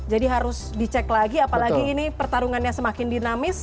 jadi harus dicek lagi apalagi ini pertarungannya semakin dinamis